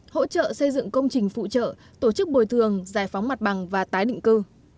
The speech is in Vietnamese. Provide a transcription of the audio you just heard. hỗ trợ xây dựng công trình phụ trợ tổ chức bồi thường giải phóng mặt bằng và tái định cư